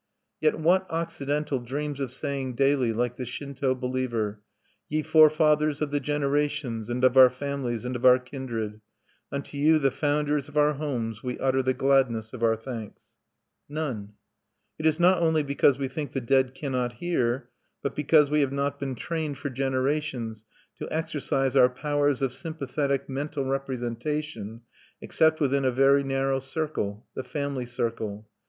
Yet what Occidental dreams of saying daily, like the Shinto believer: "_Ye forefathers of the generations, and of our families, and of our kindred, unto you, the founders of our homes, we utter the gladness of our thanks_"? None. It is not only because we think the dead cannot hear, but because we have not been trained for generations to exercise our powers of sympathetic mental representation except within a very narrow circle, the family circle.